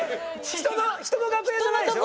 人の人の楽屋じゃないでしょ？